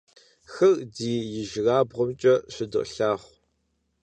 Хыр ди ижьырабгъумкӀэ щыдолъагъу.